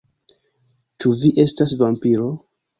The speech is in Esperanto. Ĉu vi estas vampiro?